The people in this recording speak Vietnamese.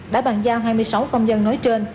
đã bàn giao hai mươi sáu công dân nói trên